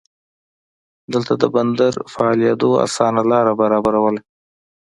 دلته د بندر فعالېدو اسانه لار برابرواله.